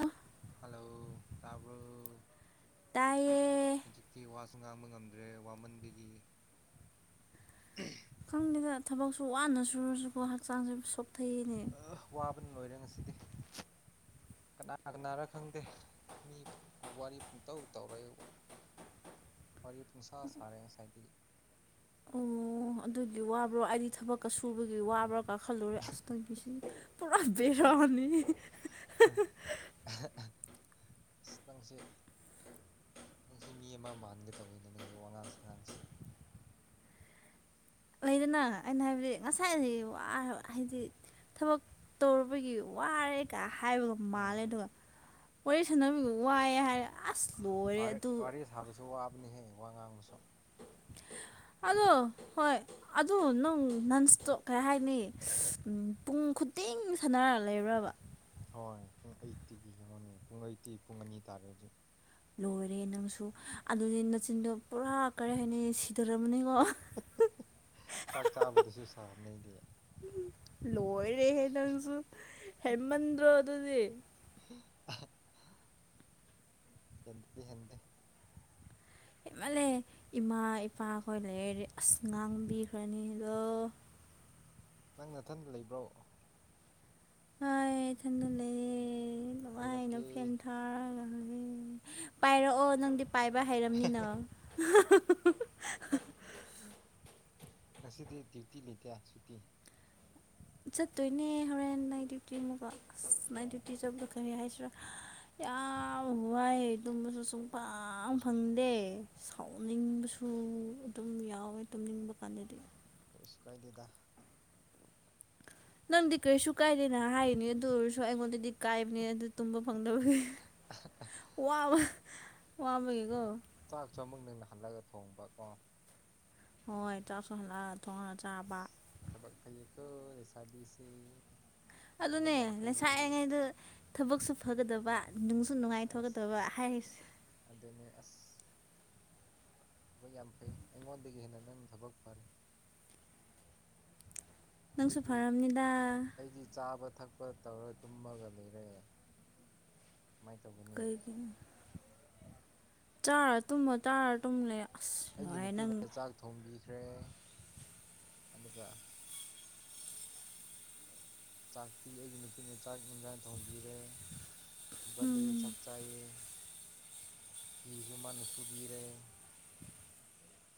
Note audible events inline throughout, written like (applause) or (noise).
ꯑ ꯍꯜꯂꯣ ꯇꯥꯕ꯭ꯔꯣ ꯇꯌꯦ ꯁꯨꯡ ꯉꯥꯡꯕ ꯉꯝꯗ꯭ꯔꯦ ꯋꯥꯃꯟꯕꯒꯤ ꯈꯪꯗꯦꯗ ꯊꯕꯛꯁꯨ ꯋꯥꯅ ꯁꯨꯔꯁꯨꯀꯣ ꯍꯛꯆꯥꯡꯁꯨ ꯁꯣꯛꯊꯩꯅꯦ ꯑ ꯋꯥꯕꯅ ꯂꯣꯏꯔꯦ ꯉꯁꯤꯗꯤ ꯀꯅꯥ ꯀꯅꯥꯅ ꯈꯪꯗꯦ ꯃꯤ ꯋꯥꯔꯤ ꯄꯨꯡꯇꯧ ꯇꯧꯔꯑꯕ ꯋꯥꯔꯤ ꯄꯨꯡꯁꯥ ꯁꯥꯔꯦ ꯉꯁꯥꯏꯗꯒꯤ ꯑꯗꯨꯗꯤ ꯋꯥꯕ꯭ꯔꯣ ꯑꯩꯗꯤ ꯊꯕꯛ ꯀ ꯁꯁꯨꯕꯒꯤ ꯎꯝ ꯋꯥꯕ꯭ꯔꯥ ꯀꯥꯈꯜꯂꯨꯔꯦ ꯑꯁꯇꯪꯒꯤꯁꯤ ꯄꯨꯔꯥ ꯕꯦꯔꯛꯑꯅꯤ (unintelligible) ꯑ ꯑꯁꯇꯪꯁꯤ ꯅꯪꯁꯤ ꯃꯤ ꯑꯃ ꯃꯥꯟꯒ ꯇꯧꯕꯅꯦ ꯅꯪꯒꯤ ꯋꯥꯉꯥꯡ ꯁꯉꯥꯡꯁꯦ ꯑꯣꯏꯗꯅ ꯑꯩꯅ ꯍꯥꯏꯕꯗꯤ ꯉꯁꯥꯏ ꯋꯥ ꯍꯥꯏꯗꯤ ꯊꯕꯛ ꯇꯧꯔꯨꯕꯒꯤ ꯋꯥꯔꯦꯒ ꯍꯥꯏꯕꯒ ꯃꯥꯜꯂꯦ ꯎꯝ ꯑꯗꯨꯒ ꯋꯥꯔꯤꯦ ꯁꯥꯟꯕꯤꯒ ꯋꯥꯏꯑꯦ ꯍꯥꯏꯔꯦ ꯑꯁ ꯂꯣꯏꯔꯦ ꯑꯗꯨ ꯋꯥꯔꯤ ꯁꯥꯕꯁꯨ ꯋꯥꯕꯅꯤꯍꯦ ꯋꯥ ꯉꯥꯡꯕꯁꯨ ꯎ ꯑꯗꯣ ꯍꯣꯏ ꯑꯗꯨ ꯅꯪ ꯅꯟꯁꯇꯣꯛ ꯀꯩ ꯍꯥꯏꯅꯤ ꯄꯨꯡ ꯈꯨ ꯃꯇꯦꯡ ꯁꯥꯟꯅꯔꯛ ꯂꯩꯕ꯭ꯔꯕ ꯍꯣꯏ ꯄꯨꯡ ꯑꯩꯠꯇꯤꯒꯤ ꯌꯦꯡꯉꯣꯅꯦ ꯄꯨꯡ ꯑꯩꯠꯇꯤ ꯄꯨꯡ ꯑꯅꯤ ꯇꯥꯔꯦ ꯍꯧꯖꯤꯛ ꯂꯣꯏꯔꯦ ꯅꯪꯁꯨ ꯑꯗꯨꯗꯤ ꯃꯆꯤꯟꯗꯣ ꯄꯨꯔꯥ ꯀꯔꯤ ꯍꯥꯏꯅꯤ ꯁꯤꯊꯔꯝꯝꯕꯅꯤꯀꯣ ꯃꯗꯤ ꯂꯣꯏꯔꯦꯍꯦ ꯅꯪꯁꯨ ꯍꯦꯃꯟꯗ꯭ꯔꯣ ꯑꯗꯨꯗꯤ (unintelligible) ꯍꯗꯤ ꯍꯦꯟꯗꯤ ꯏꯃꯜꯂꯦ ꯏꯃꯥ ꯏꯄꯥꯈꯣꯏ ꯂꯩꯔꯦ ꯑꯁ ꯉꯥꯡꯕꯤꯈ꯭ꯔꯅꯤ ꯑꯗꯣ ꯅꯪ ꯅꯊꯟ ꯂꯩꯕ꯭ꯔꯣ ꯑ ꯏꯊꯟꯗ ꯂꯩꯌꯦ ꯅꯨꯡꯉꯥꯏꯅ ꯐꯦꯟ ꯀꯣꯏꯔꯛꯀꯦ ꯊꯥꯔꯒ ꯎꯝ ꯄꯥꯏꯔꯛꯑꯣ ꯅꯪꯗꯤ ꯄꯥꯏꯕ ꯍꯥꯏꯔꯝꯅꯤꯅ ꯉꯁꯤꯗꯤ ꯗ꯭ꯌꯨꯇꯤ ꯂꯩꯇꯦ ꯁꯨꯇꯤ ꯆꯠꯇꯣꯏꯅꯦ ꯍꯣꯔꯦꯟ ꯅꯥꯏ ꯗ꯭ꯌꯨꯇꯤ ꯑꯃꯨꯛꯀ ꯑꯁ ꯅꯥꯏꯠ ꯑꯣ ꯗ꯭ꯌꯨꯇꯤ ꯆꯠꯄꯗꯣ ꯀꯔꯤ ꯍꯥꯏꯁꯤꯔꯥ ꯌꯥꯝ ꯋꯥꯏ ꯇꯨꯝꯕꯁꯨ ꯁꯨꯡꯄꯪ ꯎꯝ ꯐꯪꯗꯦ ꯁꯥꯎꯅꯤꯡꯕꯁꯨ ꯎꯝ ꯑꯗꯨꯝ ꯌꯥꯎꯋꯦ ꯇꯨꯝꯅꯤꯡꯕ ꯀꯥꯟꯗꯗꯤ ꯀꯔꯤꯁꯨ ꯀꯥꯏꯗꯦꯗ ꯅꯪꯗꯤ ꯀꯔꯤꯁꯨꯨ ꯀꯥꯏꯗꯦꯅ ꯍꯥꯏꯒꯅꯤ ꯑꯗꯨ ꯑꯣꯏꯔꯁꯨ ꯑꯩꯉꯣꯟꯗꯤ ꯀꯥꯏꯕꯅꯦ ꯑꯗꯨ ꯇꯨꯝꯕ ꯐꯪꯗꯕꯒꯤ ꯋꯥꯕ ꯋꯥꯕꯒꯤ ꯀꯣ ꯆꯥꯛꯁꯨ ꯑꯃꯨꯛ ꯅꯪꯅ ꯍꯜꯂꯒ ꯊꯣꯡꯕ ꯀꯣ ꯍꯣꯏ ꯆꯥꯛꯁꯨ ꯍꯜꯂꯛꯑꯒ ꯊꯣꯡꯉꯒ ꯆꯥꯕ ꯊꯕꯛ ꯐꯩꯌꯦꯀꯣ ꯂꯩꯩꯁꯥꯕꯤꯁꯤ ꯑꯗꯨꯅꯦ ꯂꯩꯁꯥꯏꯔꯤꯉꯩꯗ ꯊꯕꯛꯁꯨ ꯐꯒꯗꯕ ꯅꯨꯡꯁꯨ ꯑꯁ ꯅꯨꯡꯉꯥꯏꯊꯣꯛꯀꯗꯕ ꯍꯥꯏꯔꯤꯁꯦ ꯑꯗꯨꯅꯤ ꯑꯁ ꯊꯕꯛ ꯌꯥꯝ ꯐꯩ ꯑꯩꯉꯣꯟꯗꯒꯤ ꯍꯦꯟꯅ ꯅꯪ ꯊꯕꯛ ꯐꯔꯦ ꯅꯪꯁꯨ ꯑꯩꯗꯤ ꯐꯔꯝꯅꯤꯗ ꯑꯩꯗꯤ ꯆꯥꯕ ꯊꯛꯄ ꯇꯧꯔꯒ ꯇꯨꯝꯃꯒ ꯂꯩꯔꯦ ꯀꯃꯥꯏꯅ ꯇꯧꯒꯅꯤ ꯀꯩꯒꯤ ꯆꯥꯔ ꯇꯨꯝꯃ ꯆꯥꯔꯥ ꯇꯨꯝꯃ ꯂꯩꯌꯣ ꯑꯩꯒꯤ ꯅꯨꯄꯤꯅ ꯆꯥꯛ ꯊꯣꯡꯕꯤꯈ꯭ꯔꯦ ꯑꯗꯨꯒ ꯆꯥꯛꯄꯤ ꯑꯩꯒꯤ ꯅꯨꯄꯤꯅ ꯆꯥꯛ ꯏꯟꯖꯥꯡ ꯊꯣꯡꯕꯤꯔꯦ ꯒꯠꯂꯦ ꯎꯝ ꯆꯛ ꯆꯥꯏꯌꯦ ꯐꯤꯁꯨ ꯃꯥꯅ ꯁꯨꯕꯤꯔꯦ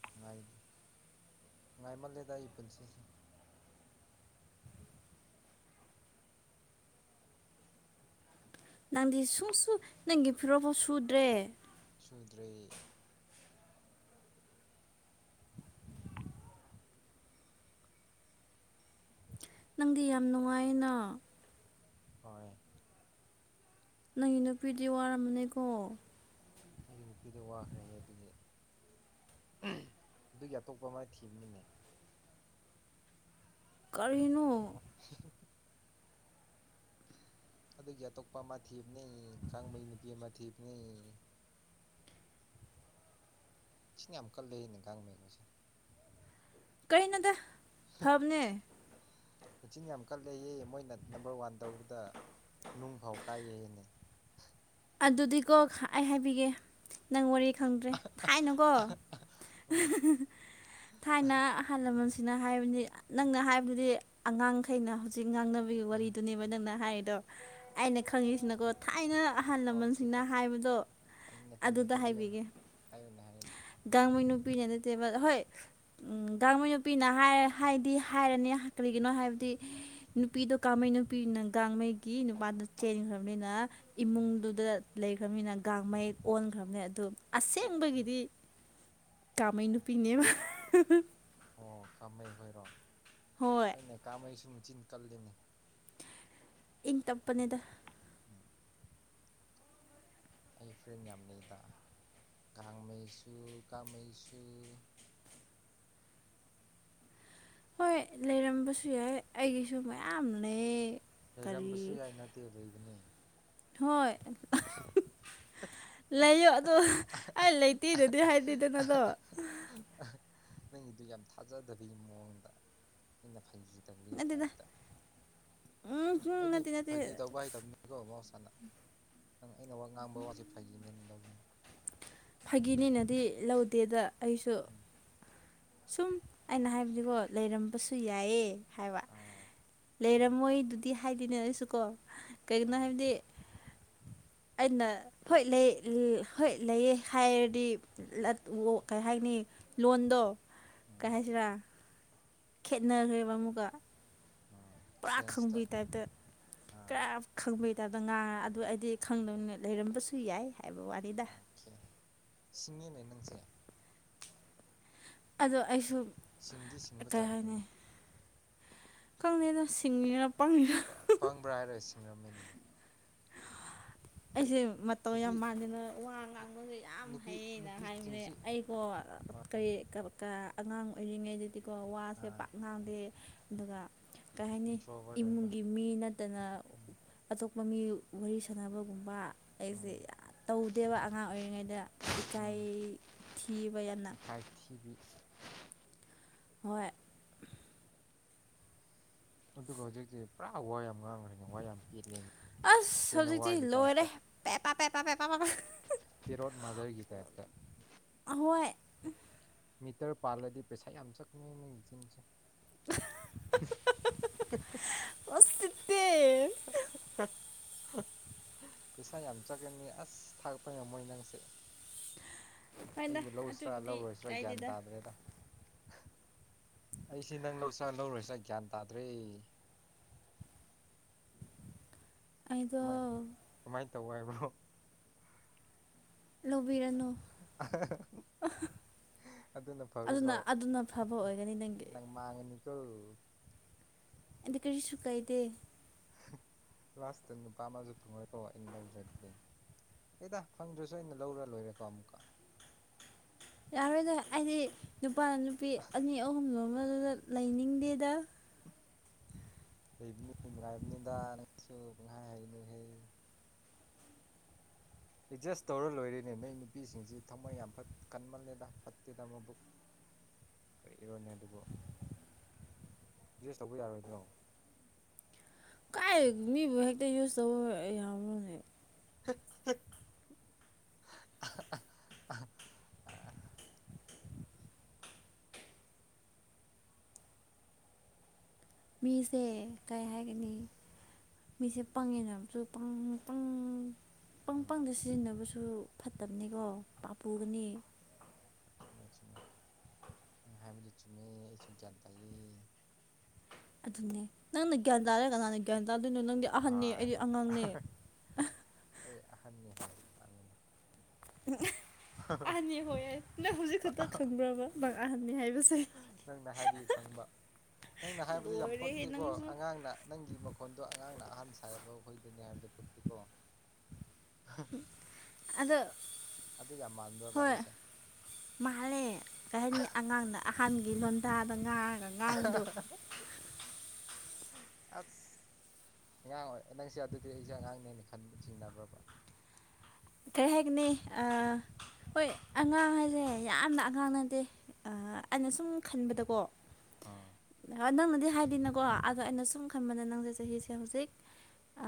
ꯅꯨꯡꯉꯥꯏ ꯅꯨꯡꯉꯥꯏꯃꯜꯂꯦꯗ ꯑꯩ ꯄꯨꯟꯁꯤꯁꯦ ꯅꯪꯗꯤ ꯁꯨꯡ ꯁꯨ ꯅꯪꯒꯤ ꯐꯤꯔꯣꯟꯐꯥꯎ ꯁꯨꯗ꯭ꯔꯦ ꯁꯨꯗ꯭ꯔꯦ ꯅꯪꯗꯤ ꯌꯥꯝ ꯅꯨꯡꯉꯥꯏꯌꯦꯅ ꯍꯣꯏ ꯅꯪꯒꯤ ꯅꯨꯄꯤꯗꯤ ꯋꯥꯔꯝꯃꯅꯤꯀꯣ ꯑꯩꯒꯤ ꯅꯨꯄꯤꯗ ꯋꯥꯈ꯭ꯔꯦ ꯑꯗꯨꯒꯤ ꯑꯗꯨꯒꯤ ꯑꯇꯣꯞꯄ ꯑꯃ ꯊꯤꯕꯅꯤꯅꯦ ꯀꯔꯤꯅꯣ ꯑꯗꯨꯒꯤ ꯑꯇꯣꯞꯄ ꯑꯃ ꯊꯤꯕꯅꯤ ꯀꯥꯡꯕꯩ ꯅꯨꯄꯤ ꯑꯃ ꯊꯤꯕꯅꯤ ꯁꯤꯟ ꯌꯥꯝ ꯀꯜꯂꯦꯌꯦ ꯅꯤꯡꯀꯥꯡꯃꯣꯏꯁꯦ ꯀꯩꯅꯣꯗ ꯐꯕꯅꯦ ꯃꯆꯤꯟ ꯌꯥꯝ ꯀꯜꯂꯦꯌꯦ ꯃꯣꯏ ꯅꯝꯕꯔ ꯋꯥꯟ ꯇꯧꯕꯗ ꯅꯨꯡ ꯐꯥꯎ ꯀꯥꯏꯌꯦ ꯍꯥꯏꯌꯦꯅꯦ ꯑꯗꯨꯗꯤꯀꯣ ꯑꯩ ꯍꯥꯏꯕꯤꯒꯦ ꯅꯪ ꯋꯥꯔꯤ ꯈꯪꯗ꯭ꯔꯦ ꯊꯥꯏꯅꯀꯣ ꯎꯝ ꯊꯥꯏꯅ ꯑꯍꯜ ꯂꯃꯟ ꯍꯥꯏꯕꯅꯤ ꯅꯪꯅ ꯍꯥꯏꯕꯗꯨꯗꯤ ꯑꯉꯥꯡꯈꯩꯅ ꯍꯧꯖꯤꯛ ꯉꯥꯡꯅꯕꯒꯤ ꯋꯥꯔꯤꯗꯨꯅꯦꯕ ꯅꯪꯅ ꯍꯥꯏꯔꯤꯗꯣ ꯑꯩꯅ ꯈꯪꯉꯤꯁꯤꯅꯀꯣ ꯊꯥꯏꯅ ꯑꯍꯜ ꯑꯣꯀꯦ ꯂꯃꯟꯁꯤꯡꯅ ꯑꯣꯀꯦ ꯍꯥꯏꯕꯗꯣ ꯐꯩꯅꯦ ꯐꯩꯅꯦ ꯑꯗꯨꯗ ꯍꯥꯏꯕꯤꯌꯨꯅꯦ ꯍꯥꯏꯕꯤꯒꯦ ꯍꯥꯏꯌꯨꯅꯦ ꯍꯥꯏꯌꯨꯅꯦ ꯒꯥꯡꯃꯩ ꯅꯨꯄꯤꯅ ꯅꯠꯇꯦꯕ ꯍꯣꯏ ꯒꯥꯡꯃꯩ ꯅꯨꯄꯤꯅ ꯍꯥꯏꯔ ꯍꯥꯏꯗꯤ ꯍꯥꯏꯔꯅꯤ ꯀꯔꯤꯒꯤꯅꯣ ꯍꯥꯏꯕꯗꯤ ꯅꯨꯄꯤꯗꯣ ꯀꯥꯡꯃꯩ ꯅꯨꯄꯤꯅ ꯒꯥꯡꯉꯩꯒꯤ ꯅꯨꯄꯥꯗꯨ ꯆꯦꯟꯈ꯭ꯔꯕꯅꯤꯅ ꯎꯝ ꯏꯃꯨꯡ ꯑꯗꯨꯗ ꯂꯩꯈ꯭ꯔꯅꯤꯅ ꯒꯥꯡꯃꯩ ꯑꯣꯟꯈ꯭ꯔꯕꯅꯤ ꯑꯗꯨ ꯎꯝ ꯑꯁꯦꯡꯕꯒꯤꯗꯤ ꯀꯥꯃꯩ ꯅꯨꯄꯤꯅꯦꯕ ꯑꯣ ꯈꯥꯃꯩ ꯍꯣꯏꯔꯣ ꯍꯣꯏ ꯍꯣꯏꯅꯦ ꯀꯥꯃꯩ ꯁꯨ ꯆꯤꯟ ꯀꯜꯂꯤꯅꯤ ꯏꯪ ꯇꯥꯞꯄꯅꯤꯗ ꯑꯩ ꯐ꯭ꯔꯦꯟ ꯌꯥꯝ ꯂꯩꯗ ꯒꯥꯡꯃꯩꯁꯨ ꯀꯃꯩꯁꯨ (unintelligible) ꯍꯣꯏ ꯂꯩꯔꯝꯕꯁꯨ ꯌꯥꯏ ꯑꯩꯒꯤꯁꯨ ꯃꯌꯥꯝ ꯂꯩ ꯍꯩꯔꯝꯕꯁꯨ ꯀꯔꯤ ꯌꯥꯏ ꯅꯠꯇꯦ ꯂꯩꯕꯅꯤ ꯍꯣꯏ (unintelligible) ꯂꯩꯌꯣ ꯑꯗꯣ ꯑꯩ ꯂꯩꯇꯦꯗꯨꯗꯤ ꯍꯥꯏꯗꯦꯗꯅꯗꯣ ꯅꯪꯒꯤꯗꯨ ꯌꯥꯝ ꯊꯥꯖꯗꯕꯒꯤ ꯃꯑꯣꯡꯗ ꯑꯩꯅ ꯐꯥꯒꯤ ꯇꯧꯕ ꯅꯠꯇꯦꯗ ꯇꯥꯏꯕꯇ ꯎꯝ ꯎꯝ ꯑꯩꯗꯤ ꯅꯠꯇꯦ ꯅꯠꯇꯦ ꯐꯥꯒꯤ ꯇꯧꯕ ꯍꯥꯏꯇꯕꯅꯤꯀꯣ ꯑꯃ ꯅꯪ ꯑꯩꯅ ꯋꯥ ꯉꯥꯡꯕ ꯋꯥꯁꯦ ꯐꯩꯈꯤꯅꯦꯅ ꯂꯧꯧꯕꯅꯤꯅꯦ ꯐꯥꯒꯤꯅꯤꯅꯗꯤ ꯂꯧꯗꯦꯗ ꯑꯩꯁꯨ ꯎꯝ ꯁꯨꯝ ꯑꯩꯅ ꯍꯥꯏꯕꯗꯤꯀꯣ ꯂꯩꯔꯝꯕꯁꯨ ꯌꯥꯏꯑ ꯍꯥꯏꯕ ꯑꯥ ꯍꯣꯏ ꯂꯩꯔꯝꯃꯣꯏ ꯑꯗꯨꯗꯤ ꯍꯥꯏꯗꯤꯅꯦ ꯑꯗꯨꯁꯨ ꯀꯣ ꯀꯩꯒꯤꯅ ꯍꯣꯏ ꯍꯥꯏꯕꯗꯤ ꯑꯩꯅ ꯍꯣꯏ ꯂꯩ ꯍꯣꯏ ꯂꯩꯌꯦ ꯍꯥꯏꯔꯗꯤ ꯀꯩ ꯍꯥꯏꯅꯤ ꯂꯣꯟꯗꯣ ꯀꯩ ꯎꯝ ꯍꯥꯏꯁꯤꯔꯥ ꯈꯦꯠꯅꯈ꯭ꯔꯦꯕ ꯑꯃꯨꯛꯀ ꯎꯝ ꯄꯨꯔꯥ ꯁꯦꯟꯁꯇ ꯈꯪꯕꯒꯤ ꯇꯥꯏꯞꯇ ꯑꯥ ꯈꯔ ꯈꯪꯕꯩꯇꯕꯗ ꯉꯥꯡꯉ ꯑꯗꯨ ꯑꯩꯗꯤ ꯈꯗ ꯂꯩꯔꯝꯕꯁꯨ ꯌꯥꯏ ꯑꯦꯕ ꯋꯥꯔꯤꯅꯤꯗ ꯁꯤꯁꯤꯡꯅꯦꯅꯦ ꯅꯪꯁꯦ ꯑꯗꯣ ꯑꯩꯁꯨ ꯁꯤꯡꯗꯤ ꯁꯤꯡꯕ ꯀꯩ ꯍꯥꯏꯅꯤ ꯖꯥꯠꯅꯤꯅꯦ ꯈꯪꯗꯦꯗꯣ ꯁꯤꯡꯉꯅ ꯄꯪꯕ꯭ꯔꯥ ꯍꯥꯏꯔꯣꯏ ꯁꯤꯡꯔꯝꯃꯤꯅꯤ ꯑꯩꯁꯦ ꯃꯇꯧ ꯌꯥꯝ ꯅꯨꯄꯤ ꯃꯥꯟꯗꯅ ꯋꯥ ꯉꯥꯡꯕꯒ ꯌꯥꯝ ꯅꯨꯄꯤ ꯍꯩꯌꯦꯅ ꯍꯥꯏꯕꯅꯦ ꯅꯨꯄꯤꯁꯤꯡꯁꯤ ꯑꯩꯕꯣ ꯍꯣꯏ ꯀꯔꯤ ꯀ (unintelligible) ꯑꯉꯥꯡ ꯑꯣꯏꯔꯤꯉꯩꯗꯗꯤꯀꯣ ꯋꯥꯁꯦ ꯄꯥꯛ ꯉꯥꯡꯗꯦ ꯑꯗꯨꯒ ꯀꯩ ꯍꯥꯏꯅꯤ ꯏꯟꯇ꯭ꯔꯣꯕꯔꯠ ꯑꯣꯏꯕ ꯏꯃꯨꯡꯒꯤ ꯃꯤ ꯅꯠꯇꯅ ꯑꯇꯣꯞꯄ ꯃꯤ ꯋꯥꯔꯤ ꯁꯥꯟꯅꯕ ꯒꯨꯝꯕ ꯑꯩꯁꯦ ꯎꯝ ꯌꯥꯝ ꯇꯧꯗꯦꯕ ꯑꯉꯥꯡ ꯑꯣꯏꯔꯤꯉꯩꯗ ꯏꯀꯥꯏ ꯎꯝ ꯊꯤꯕ ꯌꯥꯝꯅ ꯍꯥꯏ ꯊꯤꯕꯤ ꯍꯣꯏ ꯑꯗꯨ ꯍꯧꯖꯤꯛꯇꯤ ꯄꯨꯔꯥ ꯋꯥ ꯌꯥꯝ ꯉꯥꯡꯈ꯭ꯔꯦꯅꯦ ꯋꯥ ꯌꯥꯝ ꯄꯦꯠꯂꯦ ꯑꯁ ꯇꯦꯅ ꯍꯧꯖꯤꯛꯇꯤ ꯋꯥꯒꯤ ꯂꯣꯏꯔꯦ ꯇꯥꯏꯞꯇ ꯄꯦꯄꯥ ꯄꯦꯄꯥ ꯄꯦꯄꯥ ꯄꯦꯄꯥ ꯄꯦꯔꯣꯠ ꯃꯥꯗꯔꯒꯤ ꯇꯥꯏꯞꯇ ꯑꯍꯣꯏ ꯃꯤꯇꯔ ꯄꯥꯜꯂꯗꯤ ꯄꯩꯁꯥ ꯌꯥꯝ ꯆꯠꯀꯅꯤ ꯅꯪꯒꯤ ꯆꯤꯟꯁꯦ ꯑꯁ ꯁꯤꯠꯇꯦ ꯄꯩꯁꯥ ꯌꯥꯝ ꯆꯥꯠꯀꯅꯤ ꯑꯁ ꯊꯥꯛꯄ ꯉꯝꯃꯣꯏ ꯅꯪꯁꯦ ꯍꯣꯏꯗ ꯑꯩꯕꯨ ꯂꯧꯁꯤꯔꯥ ꯑꯗꯨꯕꯨꯗꯤ ꯂꯧꯔꯣꯏꯁꯤꯔꯥ ꯒ꯭ꯌꯥꯟ ꯀꯥꯏꯗꯦꯗ ꯇꯥꯗ꯭ꯔꯦꯗ ꯑꯩꯁꯤ ꯅꯪ ꯂꯧꯁꯤꯔꯥ ꯂꯧꯔꯣꯏꯁꯤꯔꯥ ꯒ꯭ꯌꯥꯟ ꯇꯥꯗ꯭ꯔꯦ ꯑꯩꯗꯣ ꯀꯃꯥꯏ ꯀꯃꯥꯏꯅ ꯇꯧ ꯍꯥꯏꯕ꯭ꯔꯣ ꯂꯧꯕꯤꯔꯅꯨ ꯑꯗꯨꯅ ꯐꯒꯗ꯭ꯔꯣ ꯑꯗꯨꯅ ꯑꯗꯨꯅ ꯐꯕ ꯑꯣꯏꯒꯅꯤ ꯅꯪꯒꯤ ꯅꯪ ꯃꯥꯡꯉꯅꯤꯀꯣ ꯑꯩꯗꯤ ꯀꯔꯤꯁꯨ ꯀꯥꯏꯗꯦ ꯂꯥꯁꯇ ꯅꯨꯄꯥ ꯑꯃꯁꯨ ꯐꯪꯉꯣꯏꯀꯣ ꯑꯩꯅ ꯂꯧꯗ꯭ꯔꯒꯗꯤ ꯍꯣꯏꯗ ꯐꯪꯗ꯭ꯔꯁꯨ ꯑꯩꯅ ꯂꯧꯔ ꯂꯣꯏꯔꯦꯀꯣ ꯑꯃꯨꯛꯀ ꯌꯥꯔꯣꯏꯗ ꯑꯩꯗꯤ ꯅꯨꯄꯥꯅ ꯅꯨꯄꯤ ꯑꯅꯤ ꯑꯍꯨꯝ ꯂꯣꯟꯕꯗꯨꯗ ꯂꯩꯅꯤꯡꯗꯦꯗ ꯂꯩꯕꯅꯤ ꯅꯨꯡꯉꯥꯏꯕꯅꯤꯗ ꯅꯪꯁꯨ ꯄꯨꯡꯍꯥꯏ ꯍꯥꯏꯅꯨ ꯍꯩ ꯑꯦꯗꯖꯁ ꯇꯧꯔ ꯂꯣꯏꯔꯦꯅꯦ ꯅꯣꯏ ꯅꯨꯄꯤꯁꯤꯡꯁꯤ ꯊꯃꯣꯏ ꯌꯥꯝ ꯐꯠ ꯀꯟꯃꯜꯂꯦꯗ ꯐꯠꯇꯦꯗ ꯃꯕꯨꯛ (inaudible) ꯀꯩ ꯏꯔꯣꯅꯦ ꯑꯗꯨꯕꯣ ꯖꯁ ꯇꯧꯕ ꯌꯥꯔꯣꯏꯗ꯭ꯔꯣ ꯀꯥꯏ ꯃꯤꯕꯨ ꯍꯦꯛꯇ ꯌꯨꯁ ꯇꯧꯕ ꯌꯥꯕ꯭ꯔꯣꯅꯦ (unintelligible) ꯃꯤꯁꯦ ꯀꯩ ꯍꯥꯏꯒꯅꯤ ꯃꯤꯁꯦ ꯄꯪꯉꯦꯅ ꯑꯃꯁꯨ ꯄꯪ ꯄꯪ ꯄꯪ ꯎꯝ ꯄꯪꯗ ꯁꯤꯖꯤꯟꯅꯕꯁꯨ ꯐꯠꯇꯕꯅꯤꯀꯣ ꯄꯥꯞ ꯄꯨꯨꯒꯅꯤ ꯆꯨꯝꯃꯦ ꯆꯨꯝꯃꯦ ꯅꯪ ꯍꯥꯏꯕꯗꯨ ꯆꯨꯝꯃꯦ ꯑꯩꯁꯨ ꯒ꯭ꯌꯥꯟ ꯇꯥꯥꯏꯌꯦ ꯑꯗꯨ ꯅꯦ ꯅꯪꯅ ꯒ꯭ꯌꯥꯟ ꯇꯔ ꯀꯅꯥ ꯒ꯭ꯌꯥꯟ (unintelligible) ꯅꯪꯗꯤ ꯑꯍꯟꯅꯤ ꯍꯣꯏ ꯑꯩꯗꯤ ꯑꯉꯥꯡꯅꯦ ꯑꯩ ꯑꯍꯟꯅꯤ ꯍꯣꯏꯅꯦ ꯃꯥꯅꯤꯅꯦ ꯑꯍꯟꯅꯤ ꯍꯣꯏ ꯌꯦ ꯅꯪ ꯍꯧꯖꯤꯛ ꯈꯛꯇ ꯈꯪꯕ꯭ꯔꯕ ꯅꯪ ꯑꯍꯟꯅꯤ ꯍꯥꯏꯕ ꯅꯪꯅ ꯍꯥꯏꯕꯤꯌ ꯈꯪꯕ ꯅꯪꯅ ꯍꯥꯏꯕꯗꯣ ꯌꯥꯝ ꯂꯣꯏꯔꯦꯍꯦ ꯄꯛꯇꯦꯀꯣ ꯅꯪꯁꯨ ꯑꯉꯥꯡꯅ ꯅꯪꯒꯤ ꯃꯈꯣꯟꯗꯣ ꯑꯉꯥꯡꯅ ꯑꯍꯥꯟ ꯁꯥꯏꯕ ꯑꯩꯈꯣꯏꯗꯨꯅꯤ ꯍꯥꯏꯕꯗꯨ ꯐꯛꯇꯦꯀꯣ ꯑꯗꯣ ꯑꯗꯨ ꯌꯥꯝ ꯃꯥꯟꯕ꯭ꯔꯕ ꯍꯣꯏ ꯑꯩꯁꯦ ꯃꯥꯂꯦ ꯀꯩ ꯍꯥꯏꯅꯤ ꯑꯉꯥꯡꯅ ꯑ ꯊꯥꯟꯒꯤ ꯂꯣꯟꯗꯥꯗ ꯉꯥꯡꯉꯒ ꯉꯥꯡꯕꯗꯣ ꯑꯁ ꯑꯉꯥꯡ ꯑꯣꯏ ꯅꯪꯁꯦ ꯑꯗꯨꯗꯤ ꯑꯩꯁꯦ ꯑꯉꯥꯡꯅꯦꯅ ꯈꯟꯕ ꯆꯤꯡꯅꯕ꯭ꯔꯕ ꯀꯩ ꯍꯥꯏꯒꯅꯤ ꯑ ꯍꯣꯏ ꯑꯉꯥꯡ ꯍꯥꯏꯁꯦ ꯌꯥꯝꯅ ꯑꯉꯥꯡ ꯅꯠꯇꯦ ꯑ ꯑꯩꯅ ꯁꯨꯝ ꯈꯟꯕꯗꯀꯣ ꯑꯥ ꯑ ꯅꯪꯅꯗꯤ ꯍꯥꯏꯗꯤꯅꯀꯣ ꯑꯗꯣ ꯑꯩꯅ ꯁꯨꯝ ꯈꯟꯕꯗ ꯅꯪꯁꯦ ꯆꯍꯤꯁꯦ ꯍꯧꯖꯤꯛ ꯑ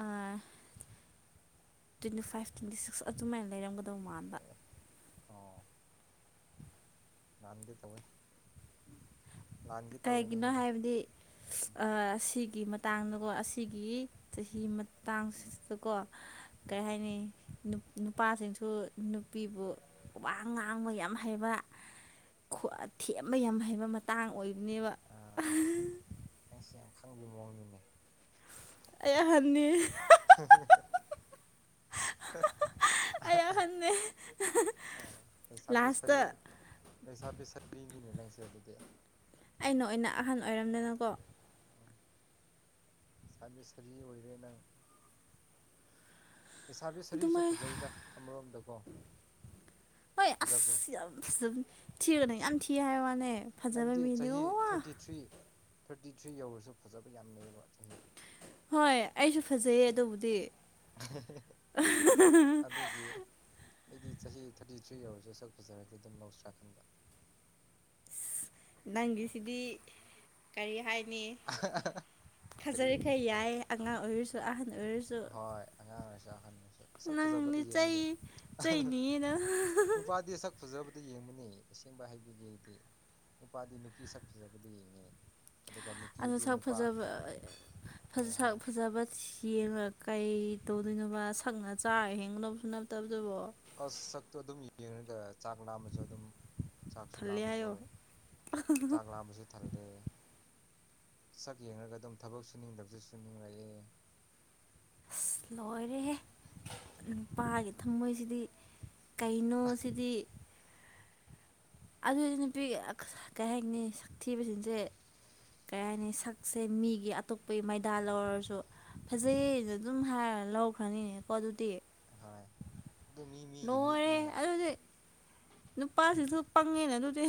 ꯇ꯭ꯋꯦꯟꯇꯤ ꯐꯥꯏꯚ ꯇ꯭ꯋꯦꯟꯇꯤ ꯁꯤꯛꯁ ꯑꯗꯨꯃꯥꯏꯅ ꯂꯩꯔꯝꯒꯗꯧ ꯃꯥꯟꯕ ꯑꯦ ꯅꯍꯥꯟꯒꯦ ꯇꯧꯋꯦ ꯂꯥꯟꯒꯦ ꯇꯧꯋꯦ ꯀꯩꯒꯤꯅꯣ ꯅꯪꯒꯤꯗꯣ ꯍꯥꯏꯕꯗꯤ ꯎꯝ ꯁꯤꯒꯤ ꯃꯇꯥꯡꯗꯀꯣ ꯑꯁꯤꯒꯤ ꯆꯍꯤ ꯃꯇꯥꯡꯁꯤꯗꯀꯣ ꯎꯝ ꯀꯔꯤ ꯍꯥꯏꯅꯤ ꯅꯨꯄꯥꯁꯤꯡꯁꯨ ꯅꯨꯄꯤꯕꯨ ꯋꯥ ꯉꯥꯡꯕ ꯌꯥꯝ ꯍꯩꯕ ꯊꯦꯝꯕ ꯌꯥꯝ ꯍꯩꯕ ꯃꯇꯥꯡ ꯑꯣꯏꯕꯅꯦꯕ ꯈꯪꯕꯒꯤ ꯃꯑꯣꯡꯅꯤꯅꯦ ꯑꯦ ꯍꯅꯤ (inaudible) ꯑꯩ ꯑꯍꯟꯅꯦ ꯑ ꯂꯩꯁꯥꯕꯤꯕꯤ ꯁꯔꯤ ꯂꯥꯁꯇ ꯂꯩꯁꯥꯕꯤ ꯁꯔꯤꯅꯤꯅꯦ ꯅꯪꯁꯦ ꯑꯗꯨꯗꯤ ꯑꯩꯅ ꯑꯣꯏꯅ ꯑꯍꯟ ꯑꯣꯏꯔꯝꯗꯅꯀꯣ ꯎ ꯏꯁꯥꯕꯤ ꯁꯔꯤ ꯑꯣꯏꯔꯦ ꯅꯪ ꯂꯩꯁꯥꯕꯤ ꯁꯔꯤꯁꯨ ꯑꯗꯨꯃꯥꯏ ꯐꯖꯩꯗ ꯑꯃꯔꯣꯝꯗꯀꯣ ꯍꯣꯏ ꯐꯖꯕ꯭ꯔꯣ ꯑꯁ ꯌꯥꯝ ꯊꯤꯒꯅꯦ ꯌꯥꯝ ꯊꯤ ꯍꯥꯏ ꯋꯥꯅꯦ ꯐꯖꯕ ꯍꯥꯏꯕꯗꯤ ꯃꯤꯗꯤ ꯆꯍꯤ ꯋꯥ ꯊꯥꯔꯇꯤ ꯊ꯭ꯔꯤ ꯊꯥꯔꯇꯤ ꯊ꯭ꯔꯤ ꯌꯧꯔꯁꯨ ꯐꯖꯕ ꯌꯥꯝ ꯂꯩꯑꯕ ꯆꯍꯤ ꯍꯣꯏ ꯑꯩꯁꯨ ꯐꯖꯩꯌꯦ ꯑꯗꯨꯕꯨꯗꯤ ꯑꯗꯨꯒꯤ ꯑꯩꯗꯤ ꯆꯍꯤ ꯊꯥꯔꯇꯤ ꯊ꯭ꯔꯤ ꯌꯔꯁꯨ ꯁꯛ ꯐꯖꯔꯗꯤ ꯑꯗꯨꯝ ꯂꯧꯁ꯭ꯔꯥ ꯈꯟꯕ ꯅꯪꯒꯤꯁꯤꯗꯤ ꯀꯔꯤ ꯍꯥꯏ ꯀꯔꯤ ꯈꯥꯖꯔꯤꯈ ꯌꯥꯏ ꯑꯉꯥꯡ ꯑꯣꯏꯔꯁꯨ ꯑꯍꯟ ꯑꯣꯏꯔꯁꯨ ꯍꯣꯏ ꯑꯉꯥꯡꯅꯁꯨ ꯑꯍꯟꯁꯤ ꯅꯪꯅꯤ ꯆꯩ ꯆꯩꯅꯤꯌꯦꯅ ꯅꯨꯄꯥꯗꯤ ꯁꯛ ꯐꯖꯕꯗ ꯌꯦꯡꯕꯅꯤ ꯑꯁꯦꯡꯕ ꯍꯩꯕꯤꯒꯤꯗꯤ ꯅꯨꯄꯥꯗꯤ ꯅꯨꯄꯤ ꯁꯛ ꯐꯖꯕꯗꯤ ꯌꯦꯡꯉꯦ ꯑꯗꯨꯒ ꯑꯗꯨꯗ ꯅꯨꯄꯤꯗꯤ ꯁꯛ ꯅꯨꯄꯥ ꯐꯖꯕ ꯍꯥꯏꯌꯣ ꯁꯛ ꯍꯥꯏꯌꯣ ꯐꯖꯕ ꯌꯦꯡꯉꯒ ꯀꯩ ꯇꯧꯗꯣꯏꯣ ꯁꯛꯅ ꯆꯥ ꯍꯦꯡꯅꯕꯁꯨ ꯅꯠꯇꯕ ꯑꯁ ꯁꯛꯇꯣ ꯑꯗꯨꯝ ꯌꯦꯡꯉꯒ ꯆꯥꯛ ꯂꯥꯝꯕꯁꯨ ꯑꯗꯨꯝ ꯆꯥꯛꯁꯨ ꯊꯜꯂꯦ ꯍꯥꯏꯌꯣ ꯂꯥꯝꯃꯔꯣꯏ ꯆꯥꯛ ꯂꯥꯝꯕꯁꯨ ꯊꯜꯂꯦ ꯁꯛ ꯌꯦꯡꯂꯡꯒ ꯑꯗꯨꯝ ꯊꯕꯛ ꯁꯨꯅꯤꯡꯗꯕꯁꯨ ꯁꯨꯅꯤꯡꯂꯛꯑꯦ ꯑꯁ ꯂꯣꯏꯔꯦꯍꯦ ꯅꯨꯨꯄꯥꯒꯤ ꯊꯝꯃꯣꯏꯁꯤꯗꯤ ꯀꯩꯅꯣ ꯁꯤꯗꯤ ꯑꯗꯨꯏꯗꯤ ꯅꯨꯄꯤ ꯀꯩ ꯍꯥꯏꯅꯤ ꯁꯥꯛꯊꯤꯕꯁꯤꯡꯁꯦ ꯀꯔꯤ ꯍꯥꯏꯅꯤ ꯁꯛꯁꯦ ꯃꯤꯒꯤ ꯑꯇꯣꯞꯄꯒꯤ ꯃꯩꯗꯥꯜ ꯂꯧꯔꯁꯨ ꯐꯖꯩ ꯑꯗꯨꯝ ꯍꯥꯏꯔ ꯂꯧꯈ꯭ꯔꯅꯤꯅꯦꯀꯣ ꯑꯗꯨꯗꯤ ꯍꯣꯏ ꯑꯗꯨ ꯃꯤ ꯃꯤꯒꯤ ꯅꯣꯣꯔꯦ ꯃꯤꯠꯅꯤꯅ ꯑꯗꯨꯗꯤ ꯅꯨꯄꯥꯁꯤꯁꯨ ꯄꯪꯉꯦꯅ ꯑꯗꯨꯗꯤ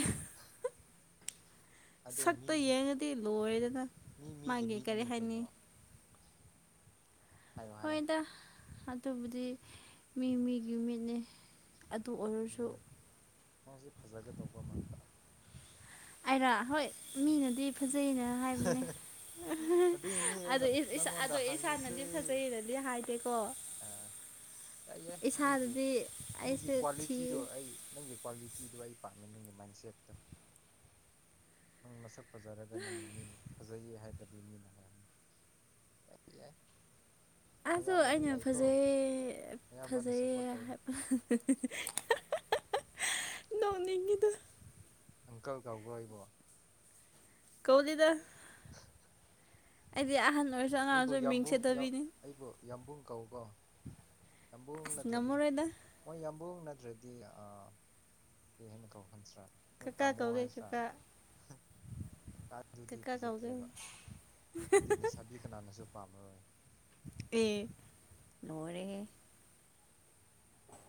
ꯑꯗꯨ ꯃꯤ ꯁꯛꯇ ꯌꯦꯡꯉꯗꯤ ꯂꯣꯏꯔꯗꯅ ꯃꯤ ꯃꯤꯒꯤ ꯃꯥꯒꯤ ꯀꯔꯤ ꯃꯤꯠꯅꯤ ꯍꯥꯏꯅꯤ ꯀꯩꯅꯣ ꯍꯥꯏꯌꯣ ꯍꯥꯏꯌꯣ ꯍꯣꯏꯗ ꯑꯗꯨꯕꯨꯗꯤ ꯃꯤ ꯃꯤꯒꯤ ꯃꯤꯠꯅꯤ ꯑꯗꯨ ꯑꯣꯏꯔꯁꯨ ꯑꯗꯣ ꯅꯪꯁꯤ ꯐꯖꯒꯗꯧꯕ ꯃꯥꯟꯥꯟꯕ ꯑꯔꯥ ꯍꯣꯏ ꯃꯤꯅꯗꯤ ꯐꯖꯅ ꯍꯥꯏꯕꯅꯦ ꯑꯗꯨꯏꯅꯤ ꯑꯗꯨ ꯑꯩꯅ ꯅꯪꯉꯣꯟꯗ ꯑꯗꯣ ꯍꯪꯉꯤꯁꯦ ꯏꯁꯥꯅꯗꯤ ꯐꯖꯩꯔꯗꯤ ꯍꯥꯏꯗꯦꯀꯣ (inaudible) ꯑꯥ ꯌꯥꯏ ꯌꯥꯏ ꯅꯪꯒꯤ ꯏꯁꯥꯗꯗꯤ ꯅꯪꯒꯤ ꯑꯩꯁꯦ ꯀ꯭ꯋꯥꯂꯤꯇꯤꯗꯣ ꯊꯤ ꯑꯩ ꯅꯪꯒꯤ ꯀ꯭ꯋꯥꯂꯤꯇꯤꯗꯣ ꯑꯩ ꯄꯥꯃꯤꯅꯤꯡꯒꯤ ꯃꯥꯏꯟꯁꯦꯠꯇꯣ ꯅꯪ ꯃꯁꯛ ꯐꯖꯔꯒ ꯅꯪꯅ ꯃꯤꯅ ꯐꯖꯩꯌꯦ ꯍꯥꯏꯗꯕꯤ ꯃꯤꯅ ꯍꯥꯏꯍꯟ ꯌꯥꯏ ꯑꯗꯣ ꯅꯌꯥꯝꯕꯅ ꯑꯩꯅ ꯌꯥꯏꯀꯣ ꯐꯖꯩ ꯑꯌꯥꯝꯕꯅ ꯐꯖꯩꯌꯦ ꯁꯞꯄꯣꯔꯠ ꯇꯧꯋꯤ ꯍꯥꯏꯕ ꯅꯣꯡꯅꯤꯡꯒꯤꯗ ꯑꯪꯀꯜ ꯀꯧꯈ꯭ꯔꯣ ꯏꯕꯣ ꯀꯧꯗꯤꯗ (inaudible) ꯑꯩꯗꯤ ꯑꯍꯟ ꯑꯣꯏꯔꯁꯨ ꯑꯉꯥꯡ ꯑꯩꯕꯨ ꯑꯣꯏꯔꯁꯨ ꯃꯤꯡ ꯌꯥꯝꯕꯨꯡ ꯌꯥꯝ ꯁꯦꯠꯇꯕꯤꯅꯤ ꯑꯩꯕꯨ ꯌꯥꯝꯕꯨꯡ ꯀꯧꯀꯣ ꯌꯥꯝꯕꯨꯡ ꯑꯁ ꯅꯠꯇ꯭ꯔꯗꯤ ꯉꯝꯃꯔꯣꯏꯗ ꯃꯣꯏ ꯌꯥꯝ ꯕ ꯅꯠꯇ꯭ꯔꯗꯤ ꯀꯦꯟꯅ ꯀꯧꯍꯟꯗ꯭ꯔꯥ ꯀꯀ ꯀꯧꯒꯦ ꯀꯀꯥ ꯀꯥꯟ ꯑꯗꯨꯗꯤ ꯀꯀꯥ ꯀꯧꯒꯦ ꯐꯖꯗ꯭ꯔꯦꯕ ꯑꯗꯨꯗꯤ ꯂꯩꯁꯥꯕꯤ ꯀꯅꯥꯅꯁꯨ ꯄꯥꯝꯃꯔꯣꯏ ꯑꯦ ꯅꯣꯏꯣꯔꯦ